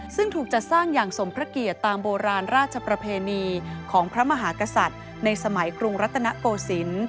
ซึ่งถูกจัดสร้างอย่างสมพระเกียรติตามโบราณราชประเพณีของพระมหากษัตริย์ในสมัยกรุงรัตนโกศิลป์